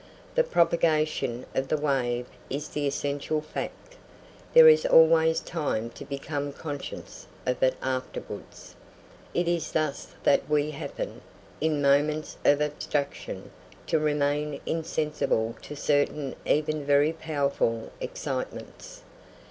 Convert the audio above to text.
The propagation of the wave is the essential fact there is always time to become conscious of it afterwards. It is thus that we happen, in moments of abstraction, to remain insensible to certain even very powerful excitements.